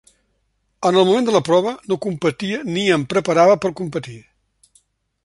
En el moment de la prova, no competia ni em preparava per competir.